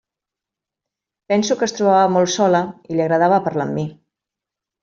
Penso que es trobava molt sola i li agradava parlar amb mi.